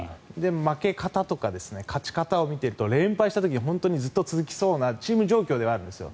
負け方とか勝ち方を見ていると連敗した時に、ずっと続きそうなチーム状況であるんですよ。